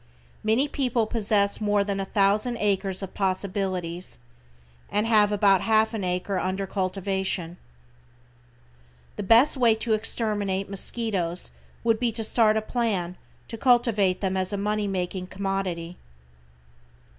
Many people possess more than a thousand acres of possibilities, and have about half an acre under cultivation. The best way to exterminate mosquitoes would be to start a plan to cultivate them as a money making commodity.